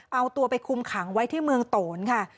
เอาตัวไปคุมขังไว้ที่เมืองโตนค่ะ